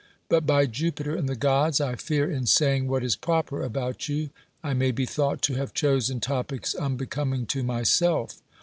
But, by Jupiter and the gods ! I fear, in saying what ii'^ proper about you, I may be thought to have chosen topics unbecoming to myself.